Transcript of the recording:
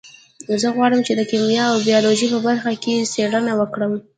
زه غواړم چې د کیمیا او بیولوژي په برخه کې څیړنه وکړم